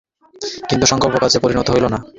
কিন্তু সংকল্প কাজে পরিণত হইল না।